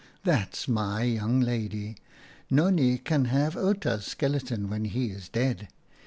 " That's my young lady! Nonnie can have Outa's skeleton when he is dead.